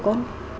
cảm ơn bà nhẫn